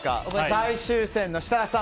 最終戦の設楽さん